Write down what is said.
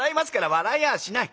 「笑いやしない。